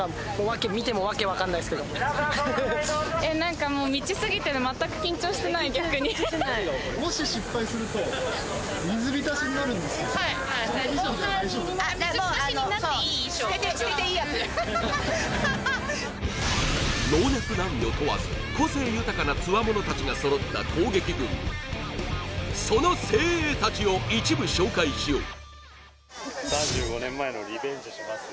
見ても訳分かんないすけど何かもう未知すぎて全く緊張してない逆に水浸しになっていい衣装捨てていいやつハハハハ老若男女問わず個性豊かなつわものたちが揃った攻撃軍その精鋭たちを一部紹介しよう３５年前のリベンジします